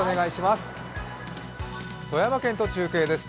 富山県と中継です。